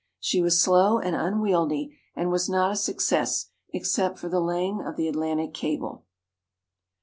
She was slow and unwieldy, and was not a success except for the laying of the Atlantic cable.